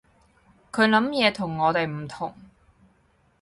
佢諗嘢同我哋唔同